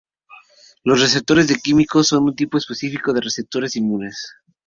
Los receptores de quimiocinas son un tipo específico de receptores inmunes.